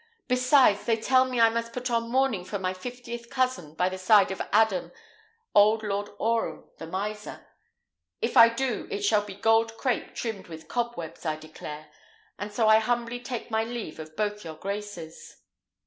"Besides, they tell me I must put on mourning for my fiftieth cousin by the side of Adam, old Lord Orham the miser. If I do, it shall be gold crape trimmed with cobwebs, I declare; and so I humbly take my leave of both your graces."